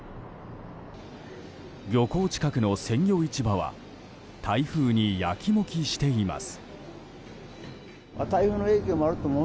漁港近くの鮮魚市場は台風にやきもきしています。